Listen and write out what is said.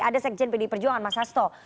ada sekjen pdi perjuangan mas hasto